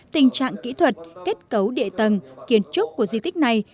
tình trạng kỹ thuật kết cấu địa tầng kiến trúc của di tích này